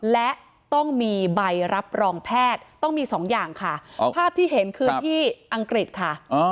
และต้องมีใบรับรองแพทย์ต้องมีสองอย่างค่ะภาพที่เห็นคือที่อังกฤษค่ะ